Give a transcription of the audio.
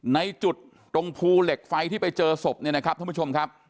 ในจุดตรงภูเหล็กไฟที่ไปเจอศพเนี่ยนะครับท่านผู้ชมครับ